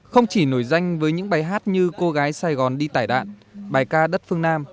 không chỉ nổi danh với những bài hát như cô gái sài gòn đi tải đạn bài ca đất phương nam